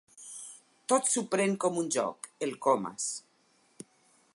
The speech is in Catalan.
Tot s'ho pren com un joc, el Comas.